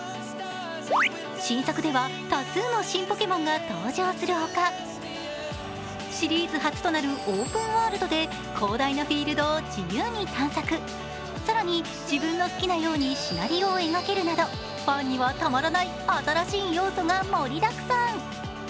新作では多数の新ポケモンが登場するほか、シリーズ初となるオープンワールドで広大なフィールドを自由に探索更に自分の好きなようにシナリオを描けるなどファンにはたまらない新しい要素が盛りだくさん。